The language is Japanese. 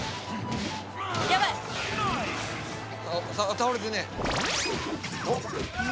倒れてねえ。